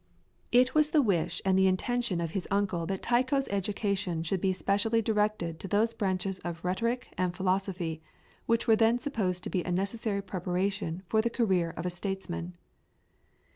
It was the wish and the intention of his uncle that Tycho's education should be specially directed to those branches of rhetoric and philosophy which were then supposed to be a necessary preparation for the career of a statesman.